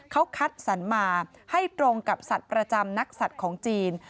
เขาคัดสรรมาให้ตรงกับสัตว์ประจำนักสัตว์ของจีน